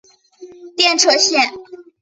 电车线。